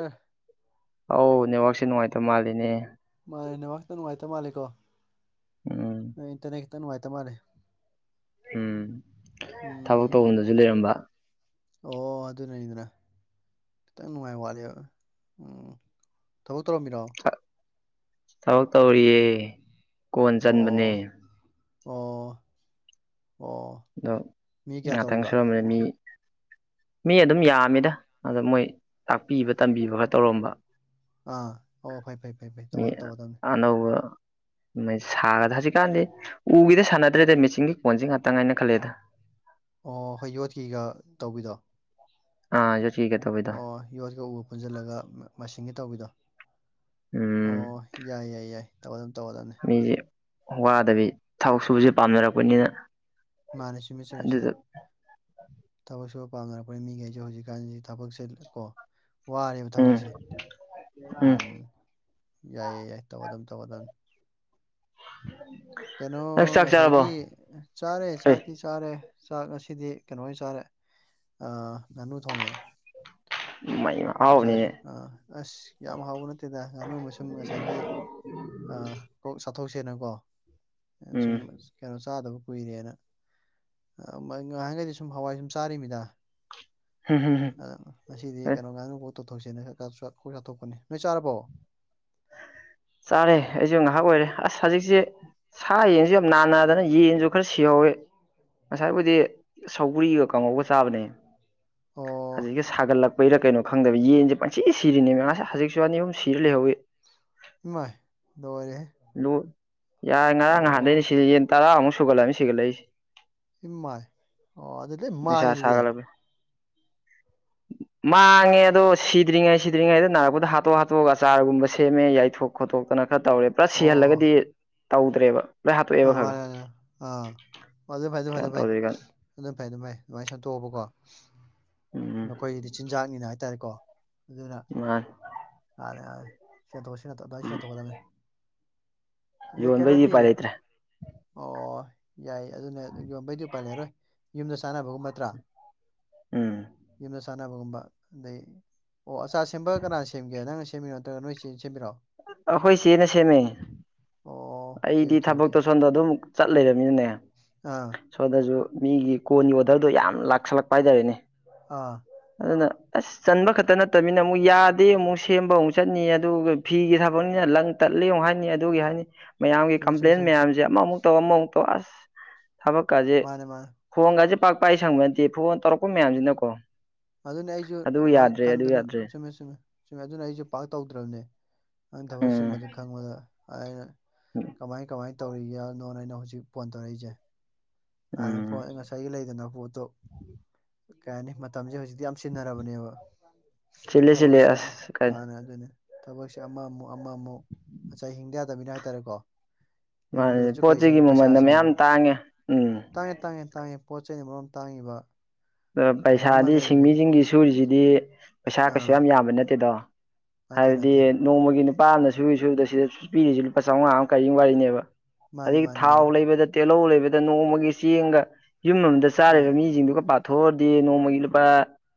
ꯑꯥ ꯑꯧ ꯅꯦꯠꯋꯥꯛꯛꯁꯦ ꯅꯨꯡꯉꯥꯏꯇꯕ ꯃꯥꯜꯂꯤꯅꯦ ꯃꯥ ꯅ ꯍꯥꯛꯇ ꯅꯨꯡꯉꯥꯏꯇꯕ ꯃꯥꯜꯂꯦꯀꯣ ꯎꯝ ꯅ ꯏꯟꯇꯔꯠ ꯈꯤꯇ ꯅꯨꯡꯉꯥꯏꯇ ꯃꯥꯜꯂꯦ ꯎꯝ ꯊꯕꯛ ꯎꯝ ꯇꯐꯝꯗꯁꯨ ꯂꯩꯔꯝꯕ ꯑꯣ ꯑꯗꯨ ꯂꯩꯅꯤꯗ꯭ꯔ ꯈꯤꯇꯪ ꯅꯨꯡꯉꯥꯏ ꯋꯥꯠꯂꯤ ꯎꯝ ꯊꯕꯛ ꯇꯧꯔꯝꯃꯤꯔꯣ ꯊꯕꯛ ꯇꯧꯔꯤꯌꯦ ꯀꯣꯟ ꯑꯣ ꯆꯟꯕꯅꯦ ꯑꯣ ꯑꯣ ꯑꯗꯣ ꯃꯤ ꯀꯌꯥ ꯉꯥꯛꯇꯪ ꯇꯧꯔꯤꯕ ꯁꯨꯔꯝꯕꯅꯤ ꯃꯤ [inaudible] ꯃꯤ ꯑꯗꯨꯝ ꯌꯥꯝꯃꯤꯗ ꯑꯗ ꯃꯣꯏ ꯇꯥꯛꯄꯤꯕ ꯇꯝꯕꯤꯕꯒ ꯇꯧꯔꯝꯕ ꯑꯥ ꯑꯣ ꯐꯩ ꯐꯩ ꯐꯩ ꯐꯩ ꯇꯧꯒꯅ ꯇꯧꯒꯗꯕꯅꯤ ꯑꯅꯧꯕ ꯁꯥꯔꯗ ꯍꯧꯖꯤꯛꯀꯥꯟꯗꯤ ꯎꯒꯤꯗ ꯁꯥꯟꯅꯗ꯭ꯔꯦꯗ ꯃꯦꯆꯤꯟꯒꯤ ꯀꯣꯟꯁꯤ ꯉꯥꯛꯇꯪ ꯍꯥꯏꯥꯏꯅ ꯈꯜꯂꯦꯗ ꯑꯣ ꯍꯣꯏ ꯌꯣꯠꯀꯤꯒ ꯇꯧꯕꯤꯗꯣ ꯑꯥ ꯊꯤꯀꯦ ꯇꯧꯕꯤꯗ ꯑꯣ ꯌꯣꯠꯀ ꯎꯕ ꯄꯨꯟꯁꯤꯜꯂꯒ ꯃꯁꯤꯡꯒ ꯇꯧꯕꯤꯗꯣ ꯎꯝ ꯑꯣ ꯌꯥꯏ ꯌꯥꯏ ꯌꯥꯏ ꯇꯧ ꯑꯗꯨꯝ ꯇꯧꯗꯅꯤ ꯃꯤꯁꯦ ꯋꯥꯗꯕꯤ ꯊꯕꯛ ꯁꯨꯕꯁꯦ ꯄꯥꯝꯅꯔꯛꯄꯅꯤꯅ ꯃꯥꯅꯦ ꯑꯗꯨꯗ [unintelligible] ꯊꯕꯛ ꯁꯨꯕ ꯄꯥꯝꯅꯔꯛꯄꯅꯤ ꯃꯤꯈꯩꯁꯦ ꯍꯧꯖꯤꯛꯀꯥꯟꯁꯤ ꯊꯕꯛꯁꯦ ꯀꯣ ꯋꯥꯔꯦꯕ ꯎꯝ ꯊꯕꯛꯁꯦ ꯎꯝ ꯌꯥꯏꯌꯦ ꯌꯥꯏ ꯇꯧꯒꯗꯝꯝ ꯇꯧꯗꯝ ꯎ [inaudible] ꯀꯩꯅꯣ ꯉꯁꯥꯏꯒꯤ ꯆꯥꯔꯦ ꯑꯦ ꯆꯥꯛꯇꯤ ꯆꯥꯔꯦ ꯆꯥꯛ ꯉꯁꯤꯗꯤ ꯀꯩꯅꯣ ꯑꯣꯏꯅꯥ ꯆꯥꯔꯦ ꯉꯥꯅꯨ ꯊꯣꯡꯉꯦ ꯃꯩ ꯉꯁꯥꯏ ꯑꯍꯥꯎꯕꯅꯤꯅꯦ ꯑ ꯑꯁ ꯌꯥꯝ ꯍꯥꯎꯕ ꯅꯠꯇꯦꯗ ꯉꯥꯅꯨꯃ ꯁꯨꯝ ꯉꯁꯥꯏꯒꯤ ꯀꯣꯛ ꯆꯥꯊꯣꯛꯁꯦꯅꯀꯣ ꯁꯨꯝ ꯎꯝ ꯀꯩꯅꯣ ꯆꯥꯗꯕ ꯀꯨꯏꯔꯦꯅ ꯉꯍꯥꯟꯒꯩꯗꯤ ꯁꯨꯝ ꯍꯋꯥꯏ ꯁꯨꯝ ꯆꯥꯔꯤꯃꯤꯗ ꯍꯝ ꯍꯝ ꯍ ꯑꯗꯨ ꯁꯤꯗꯤ ꯀꯩꯅꯣ ꯉꯥꯅꯐꯣ ꯇꯣꯠꯊꯣꯛꯁꯤꯦꯅ ꯈꯔ ꯆꯣꯛ ꯆꯥꯊꯣꯛꯄꯅꯤ ꯅꯣꯏ ꯆꯥꯔꯕꯣ ꯆꯥꯔꯦ ꯑꯩꯁꯨ ꯉꯥꯏꯍꯥꯛ ꯑꯣꯏꯔꯦ ꯑꯁ ꯍꯧꯖꯤꯛꯁꯦ ꯁꯥ ꯌꯦꯟꯁꯨ ꯌꯥꯝ ꯅꯥꯟꯅꯗꯅ ꯌꯦꯟꯁꯨ ꯈꯔ ꯁꯤꯍꯧꯋꯤ ꯉꯁꯥꯏꯕꯨꯗꯤ ꯁꯧꯕꯒ꯭ꯔꯤꯒ ꯀꯥꯡꯉꯧꯒ ꯆꯥꯕꯅꯦ ꯑꯣ ꯍꯧꯖꯤꯛꯀꯤ ꯁꯥꯒꯠꯂꯛꯄꯩꯔ ꯀꯩꯅꯣ ꯈꯪꯗꯕ ꯌꯦꯟꯁꯦ ꯄꯟꯁꯤ ꯁꯤꯔꯤꯅꯦ ꯃꯁ ꯍꯧꯖꯤꯛꯁꯨ ꯑꯅꯤ ꯑꯍꯨꯝ ꯁꯤꯔ ꯂꯩꯍꯧꯋꯤ ꯂꯣꯏꯔꯦꯍꯦ ꯂꯨ ꯌꯥꯔꯦ ꯉꯔꯥꯡ ꯑꯣ ꯅꯍꯥꯟꯗꯩꯅꯦ ꯁꯤ ꯌꯦꯟ ꯇꯔꯥꯃꯨꯛ ꯁꯨꯒꯠꯂꯅꯤ ꯁꯤꯒꯠꯂꯛꯏꯁꯦ ꯏꯃ ꯑꯣ ꯑꯗꯨꯗꯤ [unintelligible] ꯅꯨꯡꯁꯥ ꯁꯥꯒꯠꯂꯛꯄꯩ ꯃꯥꯡꯉꯦ ꯑꯗꯣ ꯁꯤꯗ꯭ꯔꯤꯉꯩ ꯁꯤꯗ꯭ꯔꯤꯉꯩꯗ ꯅꯥꯔꯛꯄꯗ ꯍꯥꯠꯇꯣꯛ ꯍꯥꯠꯇꯣꯛꯑꯒ ꯑꯆꯥꯔꯒꯨꯝꯕ ꯁꯦꯝꯃꯦ ꯌꯥꯏꯊꯣꯛ ꯈꯣꯠꯇꯣꯛꯇꯅ ꯈꯔ ꯇꯧꯔꯦ ꯄꯨꯂꯁ ꯁꯤꯍꯜꯂꯒꯗꯤ ꯇꯧꯗ꯭ꯔꯦꯕ ꯂꯣꯏ ꯑ ꯍꯥꯠꯇꯣꯛꯑꯦꯕ ꯈꯔ ꯈꯔ ꯋꯥꯔꯦꯔꯦ ꯑ ꯑꯗꯨ ꯑꯗꯨ ꯐꯥꯏꯗꯦ ꯀꯩꯅꯣ ꯐꯥꯏꯗ ꯐꯥꯏ ꯇꯧꯗ꯭ꯔꯤꯀꯥꯟ ꯑꯗꯨꯝ ꯐꯩ ꯑꯗꯨꯝ ꯐꯩ ꯑꯗꯨꯃꯥꯏꯅ ꯁꯦꯝꯗꯣꯛꯑꯕꯀꯣ ꯎꯝ ꯃꯈꯣꯏꯒꯤꯗꯤ ꯆꯤꯟꯖꯥꯛꯅꯤꯅ ꯍꯥꯏꯇꯥꯔꯦꯀꯣ ꯑꯗꯨꯅ ꯌꯥ ꯑꯔꯦ ꯁꯤ ꯁꯤꯔ ꯇꯣꯛꯒꯗꯝꯃꯦ ꯌꯣꯟꯕꯩꯗꯤ ꯎꯄꯥꯏ ꯂꯩꯇ꯭ꯔꯦ ꯑꯣ ꯌꯥꯏ ꯑꯗꯨꯅꯦ ꯌꯣꯟꯕꯩꯗꯤ ꯄꯜꯂꯔꯣꯏ ꯌꯨꯝꯗ ꯆꯥꯟꯅꯕꯒꯨꯝꯕ ꯅꯠꯇ꯭ꯔꯥ ꯎꯝ ꯌꯨꯝꯗ ꯆꯥꯟꯅꯕꯒꯨꯝꯕ ꯑꯗꯩ ꯑꯣ ꯑꯆꯥ ꯁꯦꯝꯕꯒ ꯀꯅꯥꯅ ꯁꯦꯝꯒꯦ ꯅꯪꯅ ꯁꯦꯝꯃꯤꯔꯣ ꯅꯠꯇ꯭ꯔꯒ ꯅꯣꯏ ꯆꯦꯅꯥ ꯁꯦꯝꯃꯤꯔꯣ ꯑꯩꯈꯣꯏ ꯆꯦꯅ ꯁꯦꯝꯃꯦ ꯑꯣ ꯑꯣꯀꯦ ꯑꯩꯗꯤ ꯑꯣꯀꯦ ꯑꯣꯀꯦ ꯊꯕꯛꯇꯣ ꯁꯣꯝꯗ ꯑꯗꯨꯝ ꯆꯠ ꯂꯩꯃꯤꯅꯅꯦ ꯑꯥ ꯁꯣꯗꯁꯨ ꯃꯤꯒꯤ ꯀꯣꯟꯒꯤ ꯑꯣꯗꯔꯗꯣ ꯌꯥꯝ ꯂꯥꯛꯁꯜꯂꯛꯄ ꯍꯥꯏꯇꯥꯔꯦꯅꯦ ꯑꯥ ꯑꯗꯨꯅ ꯑꯁ ꯆꯟꯕ ꯈꯛꯇ ꯅꯠꯇꯕꯅꯤꯅ ꯑꯃꯨꯛ ꯌꯥꯗꯦ ꯑꯃꯨꯛ ꯁꯦꯝꯕ ꯑꯃꯨꯛ ꯆꯠꯅꯤ ꯑꯗꯨꯒ ꯐꯤꯒꯤ ꯊꯕꯛꯅꯤꯅ ꯂꯪ ꯇꯠꯂꯤ ꯑꯃꯨꯛ ꯍꯥꯏꯅꯤ ꯑꯗꯨꯒꯤ ꯍꯥꯏꯅꯤ ꯃꯌꯥꯝꯒꯤ ꯆꯨꯝꯃꯦ ꯆꯨꯝꯃꯦ ꯀꯝꯄ꯭ꯂꯦꯟ ꯆꯨꯝꯃꯦ ꯃꯌꯥꯝꯁꯦ ꯑꯃꯃꯨꯛꯛꯇꯧ ꯑꯃꯃꯨꯛ ꯇꯧ ꯑꯁ ꯊꯕꯛꯀꯁꯦ ꯃꯥꯅꯦ ꯃꯥꯅꯦ ꯐꯣꯟꯒꯁꯦ ꯄꯥꯛ ꯄꯥꯏ ꯁꯪꯕ ꯅꯠꯇꯦ ꯐꯣꯟ ꯇꯧꯔꯛꯄ ꯃꯌꯥꯝꯁꯤꯅꯀꯣ ꯑꯗꯨꯅꯦ ꯑꯩꯁꯨ ꯑꯗꯨ ꯑꯗꯨꯃꯥꯏꯅ ꯌꯥꯗ꯭ꯔꯦ ꯑꯗꯨ ꯈꯪꯗꯅ ꯌꯥꯗ꯭ꯔꯦ ꯆꯨꯝꯃꯦ ꯆꯨꯝꯃꯦ ꯆꯨꯝꯃꯦ ꯑꯗꯨꯅ ꯑꯩꯁꯨ ꯄꯥꯛ ꯇꯧꯗ꯭ꯔꯕꯅꯦ ꯑꯩꯅ ꯊꯕꯛ ꯎꯝ ꯆꯤꯟꯕꯗꯨ ꯈꯪꯕꯗ ꯑꯩꯅ ꯀꯃꯥꯏ ꯀꯃꯥꯏ ꯇꯧꯔꯤꯒꯦ ꯅꯣꯅ ꯑꯩꯅ ꯍꯧꯖꯤꯛ ꯐꯣꯟ ꯇꯧꯔꯛꯏꯁꯦ ꯍꯥꯟꯅ ꯎꯝ ꯄꯣꯠ ꯉꯁꯥꯏꯒꯤ ꯂꯩꯗꯅ ꯄꯣꯠꯇꯣ ꯀꯩ ꯍꯥꯏꯅꯤ ꯃꯇꯝꯁꯦ ꯍꯧꯖꯤꯛꯇꯤ ꯌꯥꯝ ꯁꯤꯟꯅꯔꯕꯅꯦꯕ ꯆꯤꯜꯂꯦ ꯆꯤꯜꯂꯦ ꯊꯕꯛꯁꯦ ꯑꯁ ꯀꯥꯏ ꯃꯥꯅꯦ ꯑꯗꯨꯅꯦ ꯊꯕꯛꯁꯦ ꯑꯃꯃꯨꯛ ꯑꯃꯃꯨꯛ ꯉꯁꯥꯏ ꯍꯤꯡꯗ ꯌꯥꯗꯃꯤꯅ ꯍꯥꯏꯇꯥꯔꯦꯀꯣ ꯃꯥꯅꯦ ꯍꯤꯡꯕꯗꯁꯨ ꯄꯣꯠ ꯀꯔꯤ ꯆꯩꯒꯤ ꯆꯪꯏ ꯄꯩꯁꯥ ꯃꯃꯜꯅ ꯆꯪꯏ ꯃꯌꯥꯝ ꯇꯥꯡꯉꯦ ꯎꯝ ꯇꯥꯡꯉꯦ ꯇꯥꯡꯉꯦ ꯇꯥꯡꯉꯦ ꯄꯣꯠ ꯆꯩꯅ ꯃꯔꯣꯝ ꯇꯥꯡꯉꯤꯕ ꯀꯩꯅꯣꯝꯃ ꯄꯩꯁꯥꯗꯤ ꯂꯩꯕꯗ ꯁꯤꯡꯃꯤꯁꯤꯡꯒꯤ ꯁꯨꯔꯤꯁꯤꯗꯤ ꯄꯩꯁꯥ ꯀꯩꯁꯨ ꯑꯥ ꯌꯥꯝ ꯌꯥꯝꯕ ꯅꯠꯇꯦꯗꯣ ꯅꯠꯇꯦ ꯍꯥꯏꯕꯗꯤ ꯅꯠꯇꯦ ꯅꯣꯡꯃꯒꯤ ꯅꯨꯄꯥ ꯑꯃꯅ ꯁꯨꯔꯤ ꯁꯨꯗ ꯁꯤꯗ ꯄꯤꯔꯤꯁꯤ ꯂꯨꯄꯥ ꯆꯥꯝꯃꯉꯥ ꯑꯃ ꯀꯔꯤ ꯑꯃ ꯋꯥꯔꯤꯅꯦꯕ ꯃꯥꯅꯦ ꯑꯗꯒꯤ ꯃꯥꯅꯦ ꯊꯥꯎ ꯃꯥꯅꯦ ꯂꯩꯕꯗ ꯇꯦꯜꯍꯧ ꯂꯩꯕꯗ ꯅꯣꯡꯃꯒꯤ ꯆꯦꯡꯒ ꯌꯨꯝ ꯑꯃꯗ ꯎꯝ ꯆꯥꯔꯤꯕ ꯃꯤꯁꯤꯡꯗꯨꯒ ꯄꯥꯊꯣꯛꯎꯔꯗꯤ ꯅꯣꯡꯃꯒꯤ ꯂꯨꯄꯥ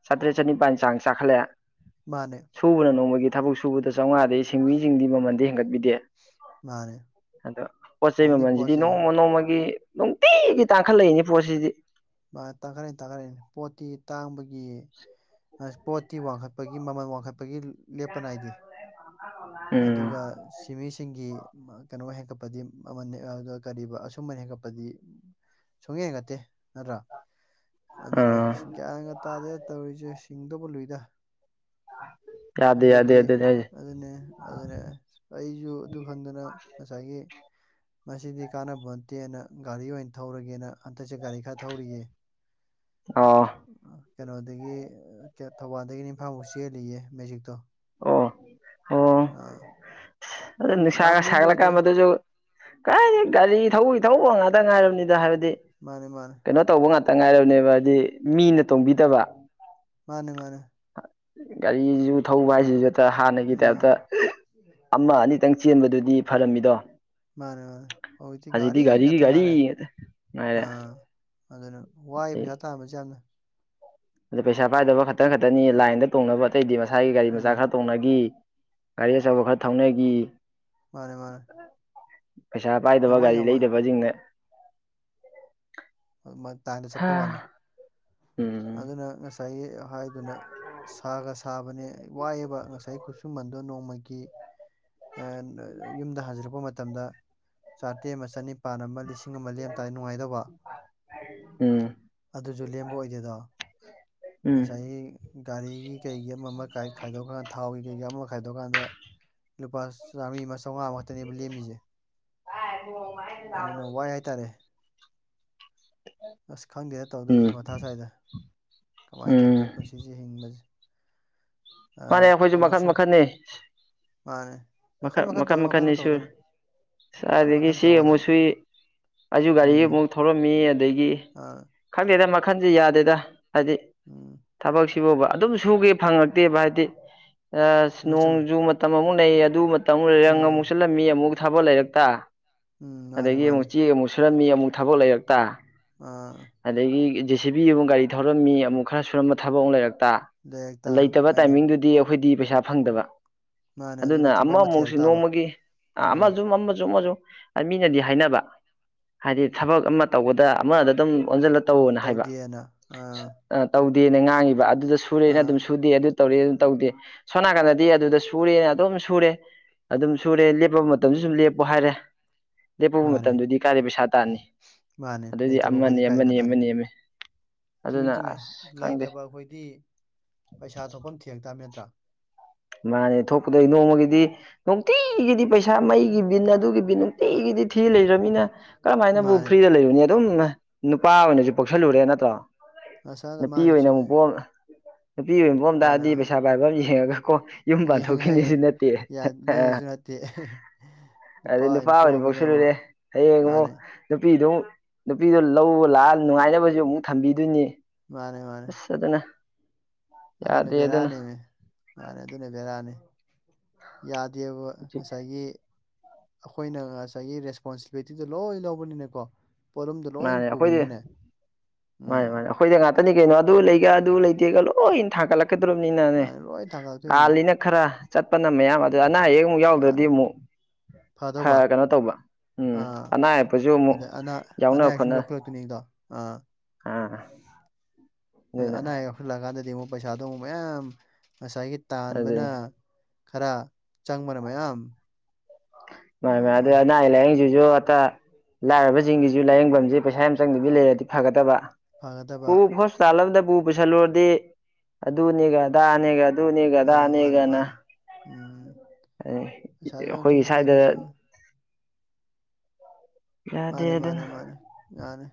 ꯆꯥꯇ꯭ꯔꯦꯠ ꯆꯅꯤꯄꯥꯥꯟ ꯆꯥꯡ ꯆꯥꯈꯠꯂꯛꯑꯦ ꯃꯥꯅꯦ ꯁꯨꯕꯅ ꯅꯣꯡꯃꯒꯤ ꯊꯕꯛ ꯁꯨꯕꯗ ꯆꯥꯝꯃꯉꯥꯗꯩ ꯁꯤꯡꯃꯤꯁꯤꯡꯗꯤ ꯃꯃꯟꯗꯤ ꯍꯦꯟꯒꯠꯄꯤꯗꯦ ꯃꯥꯅꯦ ꯑꯗꯣ ꯄꯣꯠ ꯆꯩ ꯑꯣꯟꯂꯤ ꯄꯣꯠ ꯃꯃꯜꯁꯤꯗꯤ ꯆꯩ ꯅꯣꯡꯃ ꯅꯣꯡꯃꯒꯤ ꯅꯨꯡꯇꯤꯒꯤ ꯇꯥꯡꯈꯠꯂꯛꯏꯅꯤ ꯄꯣꯠꯁꯤꯗꯤ ꯃꯥ ꯇꯥꯈꯠꯔꯛꯏꯅꯤ ꯇꯥꯈꯠꯛꯔꯛꯏꯅꯦ ꯄꯣꯠꯇꯤ ꯇꯥꯡꯕꯒꯤ ꯄꯣꯠꯇꯤ ꯋꯥꯡꯈꯠꯄꯒꯤ ꯃꯃꯜ ꯋꯥꯡꯈꯠꯄꯒꯤ ꯂꯦꯞꯄ ꯅꯥꯏꯗꯦ ꯎꯝ ꯑꯗꯨꯒ ꯁꯤꯃꯤꯁꯤꯡꯒꯤ ꯀꯩꯅꯣ ꯍꯦꯟꯀꯠꯄꯗꯤ ꯃꯃꯜ ꯑ ꯀꯔꯤꯕ ꯑꯁꯨꯃꯟ ꯍꯦꯟꯒꯠꯄꯗꯤ ꯁꯨꯡ ꯍꯦꯟꯒꯠꯇꯦ ꯅꯠꯇ꯭ꯔꯥ ꯑꯗꯨꯅꯦ ꯑꯥ ꯒ꯭ꯌꯥꯟꯒ ꯇꯥꯗꯦ ꯇꯧꯔꯤꯁꯦ ꯍꯤꯡꯗꯧꯕ ꯂꯨꯏꯗ ꯌꯥꯗꯦ ꯑꯩꯈꯣꯏꯗꯤ ꯌꯥꯗꯦ ꯑꯗꯨꯅꯦ ꯍꯥꯏꯁꯦ ꯑꯗꯨꯅꯦ ꯑꯗꯨꯅꯦ ꯑꯩꯁꯨ ꯑꯗꯨ ꯈꯪꯗꯅ ꯉꯁꯥꯏꯒꯤ ꯃꯁꯤꯗꯤ ꯀꯥꯟꯅꯕꯣꯟꯇꯦꯅ ꯒꯥꯔꯤ ꯑꯣꯏꯅ ꯊꯧꯔꯒꯦꯅ ꯍꯟꯗꯛꯁꯦ ꯒꯥꯔꯤ ꯈꯔ ꯊꯧꯔꯤꯌꯦ [inaudible] ꯑ ꯀꯩꯅꯣꯗꯒꯤ ꯊꯧꯕꯥꯜꯗꯒꯤꯅ ꯏꯝꯐꯥꯜꯐꯥꯎ ꯆꯦꯜꯂꯤꯌꯦ ꯃꯦꯖꯤꯛꯇꯣ ꯑꯣ ꯑꯣ ꯑꯥ ꯑꯗꯨ ꯅꯨꯡꯁꯥꯒ ꯁꯥꯒꯠꯂꯀꯥꯟ ꯃꯗꯨꯁꯨ ꯀꯥꯏꯗꯩ ꯒꯥꯔꯤ ꯊꯧꯕꯩ ꯊꯧꯕꯡꯉꯥꯛꯇ ꯉꯥꯏꯔꯕꯅꯤꯗ ꯍꯥꯏꯕꯗꯤ ꯃꯥꯅꯦ ꯃꯥꯅꯦ ꯀꯩꯅꯣ ꯇꯧꯕ ꯉꯥꯛꯇ ꯉꯥꯏꯔꯕꯅꯦꯕ ꯍꯥꯏꯗꯤ ꯃꯤꯅ ꯇꯣꯡꯕꯤꯗꯕ ꯃꯥꯅꯦ ꯃꯥꯅꯦ ꯒꯥꯔꯤꯁꯨ ꯊꯧꯕ ꯍꯥꯏꯁꯤꯁꯨ ꯍꯥꯟꯅꯒꯤ ꯇꯥꯏꯞꯇ ꯎꯝ ꯑꯃ ꯑꯅꯤ ꯈꯤꯇꯪ ꯆꯦꯟꯕꯗꯨꯗꯤ ꯐꯔꯝꯃꯤꯗꯣ ꯃꯥꯅꯦ ꯃꯥꯅꯦ ꯍꯧꯗꯤ ꯍꯧꯖꯤꯛꯇꯤ ꯒꯥꯔꯤ ꯒꯥꯔꯤꯒꯤ ꯉꯥꯛꯇꯪ ꯒꯥꯔꯤ ꯉꯥꯏꯔꯦ ꯉꯥꯛꯇ ꯉꯥꯏꯔꯦ ꯑꯥ ꯑꯗꯨꯅ ꯋꯥꯏ ꯑꯗꯩ ꯄꯩꯁꯥ ꯇꯥꯥꯟꯕꯁꯦ ꯌꯥꯝꯅ ꯑꯗ ꯄꯩꯁꯥ ꯄꯥꯏꯗꯕ ꯈꯛꯇꯪ ꯈꯛꯇꯅꯤ ꯂꯥꯏꯟꯗ ꯇꯣꯡꯅꯕ ꯑꯇꯩꯗꯤ ꯃꯁꯥꯒꯤ ꯒꯥꯔꯤ ꯃꯆꯥ ꯎꯝ ꯈꯔ ꯇꯣꯡꯅꯈꯤ ꯒꯥꯔꯤ ꯑꯆꯧꯕ ꯈꯔ ꯊꯧꯅꯈꯤ ꯃꯥꯅꯦ ꯃꯥꯅꯦ ꯄꯩꯁꯥ ꯌꯥꯝ ꯄꯥꯏꯗꯕ ꯋꯥꯏ ꯒꯥꯔꯤ ꯌꯥꯝ ꯋꯥꯏ ꯂꯩꯗꯕꯁꯤꯡꯅ ꯂꯥꯏꯟꯗ ꯆꯞꯄꯩ ꯋꯥꯅꯤ ꯍꯥ ꯎꯝ ꯑꯗꯨꯅ ꯉꯁꯥꯏ [unintelligible] ꯍꯥꯏꯗꯨꯅ ꯁꯥꯒ ꯁꯥꯕꯅꯦ ꯋꯥꯏꯑꯦꯕ ꯉꯁꯥꯏ ꯈꯨꯠꯁꯨꯃꯟꯗꯣ ꯅꯣꯡꯃꯒꯤ ꯌꯨꯝꯗ ꯍꯟꯖꯤꯟꯔꯛꯄ ꯃꯇꯝꯗ ꯆꯥꯇ꯭ꯔꯦꯠ ꯑꯃ ꯆꯅꯤꯄꯥꯟ ꯑꯃ ꯂꯤꯁꯤꯡ ꯑꯃ ꯂꯦꯝꯇꯥꯔꯗꯤ ꯅꯨꯡꯉꯥꯏꯗꯕ ꯎꯝ ꯑꯗꯨꯁꯨ ꯂꯦꯝꯕ ꯑꯣꯏꯗꯦꯗꯣ ꯎꯝ ꯉꯁꯥꯏ ꯒꯥꯔꯤꯒꯤ ꯀꯩꯒꯤ ꯑꯃ ꯑꯃ ꯈꯥꯏꯗꯣꯛꯑꯀꯥꯟꯗ ꯊꯥꯎꯒꯤ ꯀꯩꯀꯥ ꯑꯃ ꯈꯥꯏꯗꯣꯛꯑꯀꯥꯟꯗ ꯂꯨꯄꯥ ꯆꯥꯝꯔꯤ ꯑꯃ ꯆꯥꯝꯃꯉꯥ ꯉꯥꯛꯇꯅꯦꯕ ꯂꯦꯝꯃꯤꯖꯦ ꯋꯥꯏ [unintelligible] ꯍꯥꯏꯇꯥꯔꯦ ꯑꯁ ꯈꯪꯗꯦꯗ ꯎꯝ ꯇꯧꯗꯣꯏꯁꯦ ꯃꯊꯥ ꯁꯥꯏꯗ ꯀꯃꯥꯏꯅ ꯎꯝ ꯇꯧꯗꯣꯏꯅꯣ ꯄꯨꯟꯁꯤꯁꯦ ꯍꯤꯡꯕꯁꯦ ꯃꯥꯅꯦ ꯑꯥ ꯑꯩꯈꯣꯏꯖꯨ ꯃꯈꯟ ꯑꯃꯨꯛꯁꯨ ꯃꯈꯟꯅꯤ ꯃꯥꯅꯦ ꯃꯈꯟ ꯃꯈꯛ ꯃꯈꯟ ꯃꯈꯜ ꯇꯧꯗꯅ ꯃꯈꯟ ꯃꯈꯟ ꯃꯈꯥꯅꯤꯁꯨ ꯇꯧꯗꯅ ꯃꯈꯟ ꯀꯔꯥꯏꯗꯒꯤ ꯃꯈꯟ ꯁꯤ ꯑꯃꯨꯛ ꯇꯧꯒꯗꯕꯅꯤ ꯁꯨꯏ ꯑꯩꯁꯨ ꯒꯥꯔꯤ ꯎꯝ ꯑꯃꯨꯛ ꯊꯧꯔꯝꯃꯤ ꯑꯗꯒꯤ ꯑꯥ ꯈꯪꯗꯦꯗ ꯃꯈꯟꯖꯤ ꯌꯥꯗꯦꯗ ꯍꯥꯏꯗꯤ ꯎꯝ ꯊꯕꯛꯁꯤ ꯕꯨꯕ ꯑꯗꯨꯝ ꯁꯨꯒꯦ ꯐꯪꯉꯛꯇꯦꯕ ꯍꯥꯏꯗꯤ ꯆꯨꯝꯃꯦ ꯆꯨꯝꯃꯦ ꯅꯣꯡꯖꯨ ꯃꯇꯝ ꯑꯃꯨꯛ ꯂꯩ ꯑꯗꯨ ꯃꯇꯝ ꯑꯃꯨꯛ ꯂꯩ ꯔꯡ ꯎꯝ ꯑꯃꯨꯛ ꯆꯜꯂꯛ ꯃꯤ ꯑꯃꯨꯛ ꯊꯕꯛ ꯂꯩꯔꯛꯇ ꯎꯝ ꯃꯥꯅꯦ ꯑꯗꯒꯤ ꯑꯃꯨꯛ ꯃꯥꯅꯦ ꯆꯦꯛ ꯑꯃꯨꯛ ꯁꯨꯔꯃꯤ ꯑꯃꯨꯛ ꯊꯕꯛ ꯂꯩꯔꯛꯇ ꯑꯥ ꯑꯗꯥꯒꯤ ꯖꯦ ꯁꯤ ꯕꯤ ꯑꯃꯨꯛ ꯒꯥꯔꯤ ꯊꯧꯔꯝꯃꯤ ꯑꯃꯨꯛ ꯈꯔ ꯁꯨꯔꯝꯕ ꯊꯕꯛ ꯑꯃ ꯂꯩꯔꯛꯇ ꯂꯩꯔꯛꯇꯥ ꯍꯣꯏꯅꯦ ꯑꯗꯨꯗꯤ ꯑꯩꯈꯣꯏꯗꯤ ꯄꯩꯁꯥ ꯐꯪꯗꯕ ꯃꯥꯅꯦ ꯑꯗꯨꯅ ꯊꯕꯛ ꯑꯃ ꯊꯤꯔꯛ ꯑꯃꯃꯨꯛꯁꯨ ꯇꯥꯕ ꯅꯣꯡꯃꯒꯤ ꯎꯝ ꯑꯃꯖꯨ ꯑꯃꯖꯨ ꯑꯃꯖꯨ ꯃꯤꯅꯗꯤ ꯍꯥꯏꯅꯕ ꯍꯥꯏꯗꯤ ꯊꯕꯛ ꯑꯃ ꯇꯧꯕꯗ ꯑꯃꯗ ꯑꯗꯨꯝ ꯑꯣꯟꯖꯤꯜꯂ ꯇꯧꯅ ꯍꯥꯏꯕ ꯇꯧꯗꯦꯅ ꯑꯥ ꯇꯧꯗꯦꯅ ꯉꯥꯡꯉꯤꯕ ꯑꯗꯨꯗ ꯁꯨꯔꯦꯅ ꯑꯥ ꯑꯗꯨꯝ ꯁꯨꯗꯦ ꯑꯗꯨ ꯇꯧꯔꯤ ꯑꯗꯨꯝ ꯇꯧꯗꯦ ꯁꯣꯅꯥꯀꯟꯗꯗꯤ ꯑꯗꯨꯗ ꯁꯨꯔꯦꯅ ꯑꯗꯨꯝ ꯁꯨꯔꯦ ꯑꯗꯨꯝ ꯁꯨꯔꯦ ꯂꯦꯞꯄ ꯃꯇꯝꯖꯨ ꯁꯨꯝ ꯂꯦꯞꯄꯣ ꯍꯥꯏꯔꯦ [inaudible] ꯂꯦꯞꯄꯕ ꯃꯥꯅꯦ ꯃꯇꯝꯗꯨꯗꯤ ꯀꯥꯏꯗꯩ ꯄꯩꯁꯥ ꯇꯥꯟꯅꯤ ꯃꯥꯅꯦ ꯑꯗꯨꯗꯤ ꯂꯩꯇꯕ ꯑꯩꯈꯣꯏꯗꯤ ꯑꯃꯅꯤ ꯀꯥꯏ ꯑꯃꯅꯤ ꯇꯥꯅꯤ ꯑꯃꯅꯤ ꯑꯃꯅꯤ ꯆꯨꯝꯃꯤ ꯑꯗꯨꯅ ꯆꯨꯝꯃꯦ ꯑꯁ ꯈꯪꯗꯦ ꯂꯩꯇꯕ ꯑꯩꯈꯣꯏꯗꯤ ꯄꯩꯁꯥ ꯊꯣꯛꯐꯝ ꯊꯤꯔꯛꯇꯕꯅꯦ ꯅꯠꯇ꯭ꯔꯥ ꯃꯥꯅꯦ ꯊꯣꯛꯀꯗꯣꯏ ꯅꯣꯡꯃꯒꯤꯗꯤ ꯅꯨꯡꯇꯤꯒꯤꯗꯤ ꯄꯩꯁꯥ ꯃꯩꯒꯤ ꯕꯤꯟ ꯑꯗꯨꯒꯤ ꯕꯤꯟ ꯇꯤꯒꯤꯗꯤ ꯊꯤ ꯂꯩꯔꯕꯅꯤꯅ ꯀꯔꯝꯍꯥꯏꯅꯕꯨ ꯃꯥꯅꯦ ꯐ꯭ꯔꯤꯗ ꯂꯩꯔꯨꯅꯦ ꯑꯗꯨꯝ ꯅꯨꯄꯥ ꯑꯣꯏꯅꯖꯨ ꯄꯣꯛꯁꯜꯂꯨꯔꯦ ꯅꯠꯇ꯭ꯔꯣ ꯑꯁꯥꯗ ꯅꯨꯄꯤ ꯃꯥꯅꯦ ꯑꯣꯏꯅ ꯆꯨꯝꯃꯤ ꯑꯃꯨꯛ ꯄꯣꯛ ꯅꯨꯄꯤ ꯑꯣꯏꯅ ꯄꯣꯛꯑꯝ ꯃꯥꯅꯦ ꯇꯥꯔꯗꯤ ꯃꯥꯅꯦ ꯄꯩꯁꯥ ꯄꯥꯏꯕ ꯑꯃ ꯌꯦꯡꯉꯒ ꯀꯣ ꯌꯨꯝ ꯌꯦꯡꯉꯩ ꯄꯥꯟꯊꯣꯛꯈꯤꯅꯤꯁꯨ ꯅꯠꯇꯦ ꯌꯥꯗꯣꯏꯁꯨ ꯅꯠꯇꯦ ꯑꯗꯨ ꯅꯨꯄꯥ ꯑꯣꯏꯅ ꯄꯣꯛꯁꯤꯜꯂꯨꯨꯔꯦ ꯍꯌꯦꯡꯃꯣ ꯃꯥꯅꯦ ꯅꯨꯄꯤꯗꯨ ꯅꯨꯄꯤꯗꯣ ꯂꯧꯕ ꯂꯥꯛꯑ ꯅꯨꯡꯉꯥꯏꯅꯕꯖꯨ ꯑꯃꯨꯛ ꯊꯝꯕꯤꯗꯣꯏꯅꯤ ꯃꯥꯅꯦ ꯃꯥꯅꯦ ꯑꯁ ꯑꯗꯨꯅ ꯑꯗꯨꯅꯦ ꯌꯥꯗꯦ ꯑꯗꯨꯅ ꯕꯦꯔꯥꯅꯤꯅꯦꯃꯦ ꯃꯥꯅꯤ ꯑꯗꯨꯅꯦ ꯕꯦꯔꯥꯅꯤ ꯌꯥꯗꯦꯕ ꯉꯁꯥꯏꯒꯤ ꯑꯩꯈꯣꯏꯅ ꯉꯁꯥꯏꯒꯤ ꯔꯦꯁꯄꯣꯟꯁꯤꯕꯤꯂꯤꯇꯤꯗꯣ ꯂꯣꯏ ꯂꯧꯕꯅꯤꯅꯦ ꯀꯣ ꯄꯣꯠꯂꯨꯝꯗꯣ ꯂꯣꯏ ꯃꯥꯅꯦ ꯑꯩꯈꯣꯏꯗꯤ ꯄꯨꯕꯅꯤꯅꯦ ꯃꯥꯅꯦ ꯎꯝ ꯃꯥꯅꯦ ꯑꯩꯈꯣꯏꯗ ꯉꯥꯛꯇꯅꯤ ꯀꯩꯅꯣ ꯑꯗꯨ ꯂꯩꯒ ꯑꯗꯨ ꯂꯩꯇꯦꯒ ꯂꯣꯏ ꯊꯥꯡꯒꯠꯂꯛꯄ ꯈꯤꯗ꯭ꯔꯣꯕꯅꯤꯅꯅꯦ ꯃꯥꯅꯦ ꯂꯣꯏ ꯊꯥꯡꯒꯠꯂꯛꯇꯣꯏꯅꯤ ꯀꯥꯜꯂꯤꯅꯦ ꯈꯔ ꯆꯠꯄꯅ ꯃꯌꯥꯝ ꯑꯗꯨ ꯑꯅꯥ ꯑꯌꯦꯛ ꯑꯃꯨꯛ ꯌꯥꯎꯗ꯭ꯔꯗꯤ ꯃꯥꯅꯦ ꯑꯃꯨꯛ ꯐꯥ ꯐꯗꯧꯕ ꯀꯩꯅꯣ ꯇꯧꯕ ꯎꯝ ꯑꯥ ꯑꯅꯥꯌꯦꯛꯄꯖꯨ ꯑꯃꯨꯛ ꯑꯗꯩ ꯑꯅꯥ ꯑꯅꯥ ꯌꯥꯎꯅ ꯑꯌꯦꯛ ꯁꯨꯝ ꯈꯣꯠꯅ ꯌꯥꯎꯈꯠꯂꯛꯇꯣꯏꯅꯤꯗꯣ ꯑꯥ ꯑꯥ ꯑꯗ ꯑꯗꯨꯅ ꯑꯅꯥ ꯑꯌꯦꯛ ꯌꯥꯎꯁꯤꯜꯂꯛꯑꯀꯥꯟꯗꯗꯤ ꯑꯃꯨꯛ ꯄꯩꯁꯥꯗꯣ ꯑꯃꯨꯛ ꯃꯌꯥꯝ ꯉꯁꯥꯏꯒꯤ ꯇꯥꯟꯕꯅ ꯑꯗꯨꯅꯤ ꯈꯔ ꯆꯪꯕꯅ ꯃꯌꯥꯝ [unintelligible] ꯎꯝ ꯑ ꯂꯥꯏꯌꯦꯡꯖꯤꯖꯨ ꯑꯇꯥ ꯂꯥꯏꯔꯕꯖꯤꯡꯒꯤꯖꯨ ꯂꯥꯏꯌꯦꯡꯐꯝꯖꯦ ꯄꯩꯁꯥ ꯌꯥꯝ ꯆꯪꯗꯕꯤ ꯂꯩꯔꯗꯤ ꯐꯒꯗꯕ ꯄꯨ ꯐꯒꯗꯕ ꯍꯣꯁꯄꯤꯇꯥꯜ ꯑꯃꯗ ꯄꯨ ꯄꯨꯁꯜꯂꯨꯔꯗꯤ ꯑꯗꯨꯅꯦꯒ ꯑꯗꯥꯅꯦꯒ ꯑꯗꯨꯅꯦꯒ ꯑꯥ ꯃꯥꯅꯦ ꯑꯗꯥꯅꯦꯒ ꯃꯥꯅꯦ ꯎꯝ ꯄꯩꯁꯥꯁꯨ ꯌꯥꯝ ꯑꯩꯈꯣꯏꯒꯤ ꯆꯪꯉꯤ ꯇꯦꯁ ꯁ꯭ꯋꯥꯏꯗ ꯌꯥꯝ ꯆꯪꯉꯤ ꯌꯥꯗꯦ ꯃꯥꯅꯦ ꯃꯥꯅꯦ ꯃꯥꯅꯦ ꯃꯥꯅꯦ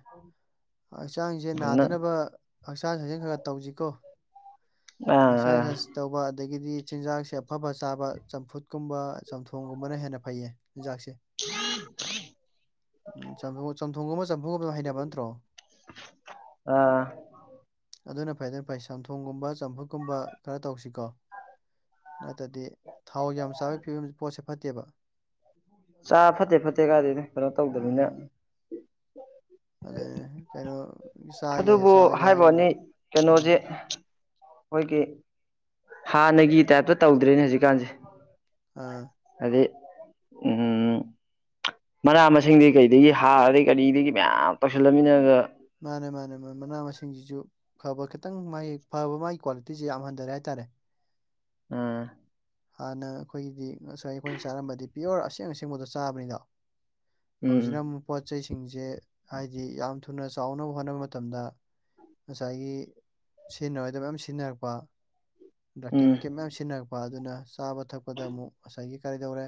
ꯍꯛꯆꯥꯡꯁꯦ ꯑꯗꯨꯅ ꯅꯥꯗꯅꯕ ꯍꯛꯆꯥꯡ ꯁꯥꯖꯦꯜ ꯈꯔ ꯇꯧꯁꯤꯀꯣ ꯑꯥ ꯑꯥ ꯑꯁꯥꯏꯒꯁ ꯇꯧꯕ ꯑꯗꯒꯤꯗꯤ ꯆꯤꯟꯖꯥꯛꯁꯦ ꯑꯐ ꯐ ꯆꯥꯕ ꯆꯝꯐꯨꯠꯀꯨꯝꯕ ꯆꯝꯊꯣꯡꯒꯨꯝꯕꯅ ꯍꯦꯟꯅ ꯐꯩꯌꯦ ꯆꯤꯟꯖꯥꯛꯁꯦ ꯎꯝ ꯎ ꯎꯝ ꯆꯝꯊꯣꯡ ꯑꯃ ꯆꯝꯊꯣꯡꯒ ꯍꯩꯅꯅꯕ ꯅꯠꯇ꯭ꯔꯣ ꯑꯥ ꯑꯗꯨꯅ ꯐꯩ ꯑꯗꯨꯅ ꯐꯩ ꯁꯝꯊꯣꯡꯒꯨꯝꯕ ꯆꯝꯐꯨꯠꯀꯨꯝꯕ ꯈꯔ ꯇꯧꯁꯤꯀꯣ ꯅꯠꯇ꯭ꯔꯗꯤ ꯊꯥꯎ ꯌꯥꯝ ꯆꯥꯕꯒꯤ ꯐꯤꯕꯝꯁꯦ ꯄꯣꯠꯁꯦ ꯐꯠꯇꯦꯕ ꯆꯥ ꯐꯠꯇꯦ ꯐꯠꯇꯦ ꯀꯥꯏꯗꯅꯦ ꯀꯩꯅꯣ ꯇꯧꯗꯅꯤꯅ ꯑꯗꯨꯅꯦ ꯀꯩꯅꯣ ꯆꯥꯒꯦ ꯑꯗꯨꯕꯨ ꯆꯥꯒꯦ ꯍꯥꯏꯕ ꯍꯥꯏꯔꯒꯅ ꯋꯥꯅꯤ ꯎꯝ ꯀꯩꯅꯣꯁꯦ ꯑꯩꯈꯣꯏꯒꯤ ꯍꯥꯟꯅꯒꯤ ꯇꯥꯏꯞꯇ ꯇꯧꯗ꯭ꯔꯦꯅꯦ ꯍꯧꯖꯤꯛꯀꯥꯟꯁꯦ ꯑꯥ ꯑꯗ ꯎꯝ ꯃꯅꯥ ꯃꯁꯤꯡꯗꯤ ꯀꯩꯗꯒꯤ ꯍꯥꯔꯗꯒꯤ ꯀꯔꯤꯗꯒꯤ ꯃꯌꯥꯝ ꯇꯧꯁꯤꯜꯂꯃꯤꯅꯗ ꯃꯥꯅꯦ ꯃꯥꯅꯦ ꯃꯥꯅꯦ ꯃꯅꯥ ꯃꯁꯤꯡꯁꯤꯁꯨ ꯐꯕ ꯈꯤꯇꯪ ꯃꯥꯒꯤ ꯐꯕ ꯃꯥꯒꯤ ꯀ꯭ꯋꯥꯂꯤꯇꯤꯤꯁꯦ ꯌꯥꯝ ꯍꯟꯊꯔꯦ ꯍꯥꯏꯇꯥꯔꯦ ꯎꯝ ꯍꯥꯟꯅ ꯑꯩꯈꯣꯏꯒꯤꯗꯤ ꯉꯁꯥꯏ ꯑꯩꯈꯣꯏꯅ ꯆꯥꯔꯝꯕꯗꯤ ꯄꯤꯌꯣꯔ ꯑꯁꯦꯡ ꯑꯁꯦꯡꯕꯗꯣ ꯆꯥꯕꯅꯤꯗꯣ ꯎꯝ ꯍꯧꯖꯤꯛꯅ ꯑꯃꯨꯛ ꯄꯣꯠ ꯆꯩꯁꯤꯡꯁꯦ ꯍꯥꯏꯗꯤ ꯌꯥꯝ ꯊꯨꯅ ꯆꯥꯎꯅꯕ ꯍꯣꯠꯅꯕ ꯃꯇꯝꯗ ꯉꯁꯥꯏꯒꯤ ꯁꯤꯖꯤꯟꯅꯔꯣꯏꯗꯕ ꯃꯌꯥꯝ ꯁꯤꯖꯤꯟꯅꯔꯛꯄ ꯎꯝ ꯀꯦꯃꯤꯀꯦꯜ ꯃꯌꯥꯝ ꯁꯤꯖꯤꯟꯅꯔꯛꯄ ꯑꯗꯨꯅ ꯆꯥꯕ ꯊꯛꯄꯗ ꯑꯃꯨꯛ ꯉꯁꯥꯏꯒꯤ ꯀꯔꯤꯗꯧꯔꯦ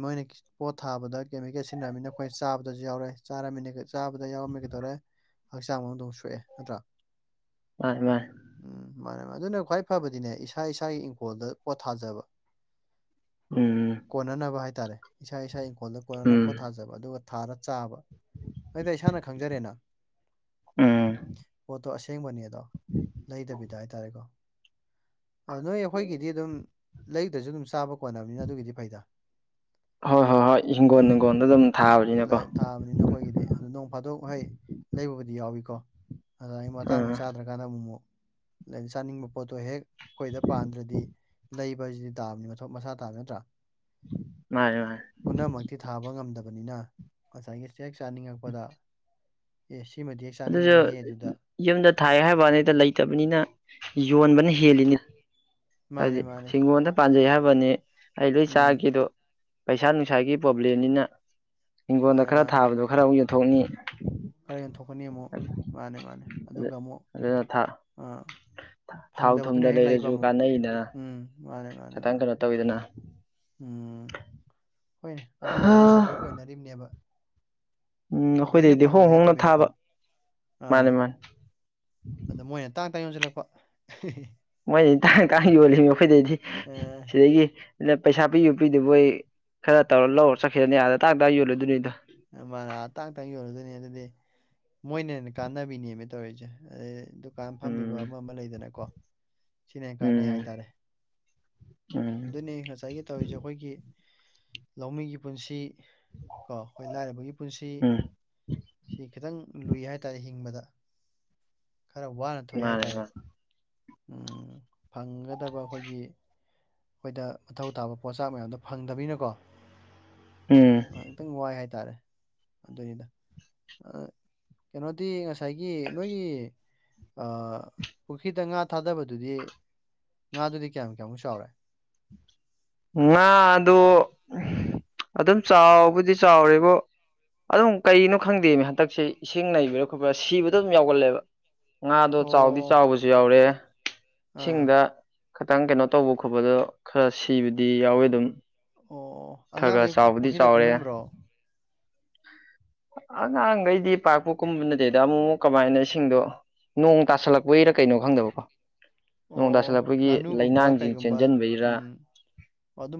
ꯃꯣꯏꯅ ꯄꯣꯠ ꯊꯥꯕꯗ ꯀꯦꯃꯤꯀꯦꯜ ꯁꯤꯖꯤꯟꯅꯔꯝꯃꯤꯅ ꯑꯩꯈꯣꯏ ꯆꯥꯕꯗꯁꯨ ꯌꯥꯎꯔꯦ ꯆꯥꯔꯝꯃꯤꯅ ꯆꯥꯕꯗ ꯌꯥꯎꯔꯝꯃꯦ ꯀꯩꯗꯧꯔꯦ ꯍꯛꯆꯥꯡ ꯑꯃꯗꯧ ꯁꯣꯛꯑꯦ ꯅꯠꯇ꯭ꯔꯥ ꯃꯥ ꯃꯥ ꯎꯝ ꯃꯥꯅꯦ ꯃꯥ ꯑꯗꯨꯅ ꯈ꯭ꯋꯥꯏ ꯐꯕꯗꯤꯅꯦ ꯏꯁꯥ ꯏꯁꯥꯒꯤ ꯏꯪꯈꯣꯜꯗ ꯄꯣꯊꯥꯖꯕ ꯎꯝ ꯀꯣꯟꯅꯅꯕ ꯍꯥꯏꯇꯥꯔꯦ ꯏꯁꯥ ꯏꯁꯥ ꯏꯪꯈꯣꯜꯗ ꯀꯣꯟꯅꯅꯕ ꯎꯝ ꯄꯣꯠ ꯊꯥꯖꯕ ꯑꯗꯨꯒ ꯊꯥꯔ ꯆꯥꯕ ꯑꯩꯗ ꯏꯁꯥꯅ ꯈꯪꯖꯔꯦꯅ ꯎꯝ ꯄꯣꯠꯇꯣ ꯑꯁꯦꯡꯕꯅꯦ ꯑꯗꯣ ꯂꯩꯗꯕꯤꯗ ꯍꯥꯏꯇꯥꯔꯦꯀꯣ ꯑ ꯅꯣꯏ ꯑꯩꯈꯣꯏꯒꯤꯗꯤ ꯑꯗꯨꯝ ꯂꯩꯗ꯭ꯔꯁꯨ ꯑꯗꯨꯝ ꯆꯥꯕ ꯀꯣꯟꯅꯕꯅꯤꯅ ꯑꯗꯨꯒꯤꯗꯤ ꯐꯩꯗ ꯍꯣꯏ ꯍꯣꯏ ꯍꯣꯏ ꯍꯤꯡꯒꯣꯜ ꯑ ꯅꯨꯡꯒꯣꯜꯗ ꯑꯗꯨꯝ ꯊꯥꯕꯅꯤꯅꯀꯣ ꯊꯥꯕꯅꯤꯅ ꯑꯩꯈꯣꯏꯒꯤꯗꯤ ꯑꯗꯨꯗ ꯅꯣꯡ ꯐꯥꯗꯣꯛ ꯍꯩ ꯂꯩꯕꯕꯨꯗꯤ ꯌꯥꯎꯏꯀꯣ ꯑꯗ ꯑꯩ ꯃꯇꯥꯡ ꯑꯥ ꯆꯥꯗ꯭ꯔꯒ ꯀꯥꯟꯗ ꯑꯃꯨꯛꯛ ꯆꯥꯅꯤꯡꯕ ꯄꯣꯠꯇꯣ ꯍꯦꯛ ꯑꯩꯈꯣꯏꯗ ꯄꯥꯟꯗ꯭ꯔꯗꯤ ꯂꯩꯕꯕꯁꯤꯗꯤ ꯇꯥꯕꯅꯤ ꯃꯊꯣ ꯃꯁꯥ ꯇꯥꯕ ꯅꯠꯇ꯭ꯔꯥ [unintelligible] ꯄꯨꯝꯅꯃꯛꯇꯤ ꯊꯥꯕ ꯉꯝꯗꯕꯅꯤꯅ ꯉꯁꯥꯏꯒꯤ ꯆꯦꯛ ꯆꯥꯅꯤꯡꯉꯛꯄꯗ ꯑꯦ ꯁꯤꯃꯗꯤ ꯑꯗꯨꯁꯨ ꯆꯥꯅꯤꯡꯉꯤꯍꯦ ꯑꯗꯨꯗ ꯌꯨꯝꯗ ꯊꯥꯏ ꯍꯥꯏꯕꯅꯤꯩꯗ ꯂꯩꯇꯕꯅꯤꯅ ꯌꯣꯟꯕꯅ ꯍꯦꯜꯂꯤꯅꯤ ꯃꯥꯅꯦ ꯍꯥꯏꯖꯤꯗꯤ ꯃꯥꯅꯦ ꯍꯤꯡꯒꯣꯜꯗ ꯄꯥꯟꯖꯩ ꯍꯥꯏꯕꯅꯤ ꯑꯩ ꯂꯣꯏ ꯎꯝ ꯆꯥꯒꯗꯣ ꯄꯩꯁꯥ ꯅꯨꯡꯁꯥꯒꯤ ꯄ꯭ꯔꯣꯕ꯭ꯂꯦꯝꯅꯤꯅ ꯍꯤꯡꯈꯣꯜꯗ ꯃꯥꯅꯦ ꯈꯔ ꯃꯥꯅꯦ ꯊꯥꯕꯗꯣ ꯈꯔꯛ ꯌꯦꯟꯊꯣꯛꯅꯤ ꯈꯔ ꯌꯦꯟꯊꯣꯛꯀꯅꯤ ꯑꯃꯨꯛ ꯃꯥꯅꯦ ꯃꯥꯅꯦ ꯑꯗꯨꯒ ꯑꯃꯨꯛ ꯑꯗꯨꯅ ꯑꯥ ꯊꯥꯎ ꯐꯪꯗꯕꯗꯨꯅ ꯊꯨꯝꯗ ꯍꯦꯛ ꯂꯩꯕ ꯑꯃꯨꯛ ꯎꯝ ꯃꯥꯅꯦ ꯃꯥꯅꯤ ꯆꯇꯪ ꯀ ꯅꯠꯇꯧꯗꯅ ꯎꯝ ꯍꯣꯏꯅꯦ ꯑꯗꯨꯅꯁꯨ ꯎꯝ ꯁꯞꯄꯣꯔꯠ ꯑꯣꯏꯅꯔꯤꯕꯅꯦꯕ ꯂꯣꯏꯅ ꯑꯩꯈꯣꯏꯗꯩꯗꯤ ꯍꯣꯡ ꯐꯪꯕꯗꯤ ꯍꯣꯡꯅ ꯅꯠꯇꯕꯅ ꯀꯣ ꯊꯥꯕ ꯑꯥ ꯃꯥꯅꯦ ꯃꯥꯅꯦ ꯑꯗ ꯃꯣꯏꯅ ꯇꯥꯡ ꯇꯥꯡ ꯌꯣꯟꯁꯤꯜꯂꯛꯄ ꯃꯣꯏꯅꯤ ꯇꯥꯡ ꯇꯥꯡ ꯌꯣꯜꯂꯤꯅꯤ ꯑꯩꯈꯣꯏꯗꯩꯗꯤ ꯑꯦ ꯁꯤꯗꯒꯤ ꯅ ꯄꯩꯁꯥ ꯄꯤꯌꯣ ꯄꯤꯗꯨꯕꯣꯏ ꯈꯔ ꯇꯧꯔ ꯂꯧꯔ ꯆꯠꯈꯤꯔꯅꯤ ꯑꯥꯗ ꯇꯥꯛ ꯇꯥ ꯌꯣꯜꯂꯨꯗꯣꯏꯅꯤꯗꯣ ꯃꯥꯇꯥꯡꯇ ꯌꯧꯔꯗꯣꯏꯅꯤ ꯑꯗꯨꯗꯤ ꯃꯣꯏꯅ ꯍꯦꯟꯅ ꯀꯥꯟꯅꯕꯤꯅꯦꯃꯦ ꯇꯧꯔꯤꯁꯦ ꯗꯨꯀꯥꯟ ꯐꯝꯃꯤꯕ ꯎꯝ ꯑꯃ ꯑꯃ ꯂꯩꯗꯅꯀꯣ ꯁꯤꯅ ꯍꯦꯟꯅ ꯀꯥꯟꯅꯩ ꯎꯝ ꯍꯥꯏꯇꯥꯔꯦ ꯎꯝ ꯑꯗꯨꯅꯤ ꯉꯁꯥꯏꯒꯤ ꯇꯧꯔꯤꯁꯦ ꯑꯩꯈꯣꯏꯒꯤ ꯂꯧꯃꯤꯒꯤ ꯄꯨꯟꯁꯤ ꯀꯣ ꯑꯩꯈꯣꯏ ꯂꯥꯏꯔꯕꯒꯤ ꯄꯨꯟꯁꯤ ꯎꯝ ꯁꯤ ꯈꯤꯇꯪ ꯂꯨꯏ ꯍꯥꯏꯇꯥꯔꯦ ꯍꯤꯡꯕꯗ ꯈꯔ ꯋꯥꯅ ꯊꯣꯛꯑꯦ ꯃꯥꯅꯦ ꯍꯥꯏꯇꯥꯔꯦ ꯃꯥꯅꯦ ꯎꯝ ꯐꯪꯒꯗꯕ ꯑꯩꯈꯣꯏꯒꯤ ꯑꯩꯈꯣꯏꯗ ꯃꯊꯧ ꯇꯥꯕ ꯄꯣꯠꯆꯥꯛ ꯃꯌꯥꯝꯗꯣ ꯐꯪꯗꯕꯅꯤꯅꯀꯣ ꯎꯝ ꯑꯝꯇꯪ ꯋꯥꯏ ꯍꯥꯏꯇꯥꯔꯦ ꯑꯗꯨꯅꯤꯗ ꯀꯩꯅꯣꯗꯤ ꯉꯁꯥꯏꯒꯤ ꯅꯣꯏꯒꯤ ꯄꯨꯈ꯭ꯔꯤꯗ ꯉꯥ ꯊꯥꯗꯕꯗꯨꯗꯤ ꯉꯥꯗꯨꯗꯤ ꯀꯌꯥꯝ ꯀꯌꯥꯃꯨꯛ ꯆꯥꯎꯔꯦ ꯉꯥꯗꯣ ꯑꯗꯨꯝ ꯆꯥꯎꯕꯨꯗꯤ ꯆꯥꯎꯔꯦꯕꯨ ꯑꯗꯨꯝ ꯀꯩꯅꯣ ꯈꯪꯗꯦꯅꯦ ꯍꯟꯗꯛꯁꯦ ꯏꯁꯤꯡ ꯅꯩꯕꯔꯥ ꯈꯣꯠꯄꯔꯥ ꯁꯤꯕꯗꯣ ꯑꯗꯨꯝ ꯌꯥꯎꯒꯜꯂꯦꯕ ꯉꯥꯗꯣ ꯆꯧꯗꯤ ꯑꯣ ꯆꯥꯎꯕꯁꯨ ꯌꯥꯎꯔꯦ ꯑ ꯏꯁꯤꯡꯗ ꯈꯤꯇꯪ ꯀꯩꯅꯣ ꯇꯧꯕ ꯈꯣꯠꯄꯗꯣ ꯈꯔ ꯁꯤꯕꯗꯤ ꯌꯥꯎꯋꯦ ꯑꯗꯨꯝ ꯑꯣ ꯈꯔ ꯈꯔ ꯑꯉꯥꯡꯈꯩ ꯆꯥꯎꯕꯗꯤ ꯄꯨꯈ꯭ꯔꯤꯗ ꯆꯥꯎꯔꯦ ꯀꯨꯝꯍꯟꯕ꯭ꯔꯣ ꯑꯉꯥꯡꯈꯩꯗꯤ ꯄꯥꯛꯄꯨ ꯀꯨꯝꯕ ꯅꯠꯇꯦꯗ ꯑꯃꯨꯛ ꯀꯃꯥꯏꯅ ꯏꯁꯤꯡꯗꯣ ꯅꯣꯡ ꯇꯥꯁꯜꯂꯛꯄꯒꯤꯔ ꯀꯩꯅꯣ ꯈꯪꯗꯕꯀꯣ ꯅꯣꯡ ꯑꯣ ꯇꯥꯁꯜꯂꯛꯄꯒꯤ ꯉꯥꯅꯨꯒꯨꯝꯕ ꯂꯩꯅꯥꯡꯁꯤꯡ ꯀꯩꯒꯨꯝꯕ ꯆꯦꯟꯁꯤꯟꯕꯩꯔꯥ ꯎꯝ ꯑꯗꯨꯝꯕ